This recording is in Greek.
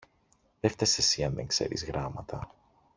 Δε φταις εσύ αν δεν ξέρεις γράμματα!